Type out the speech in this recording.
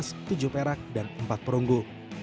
tujuh emas tujuh perak dan empat perunggu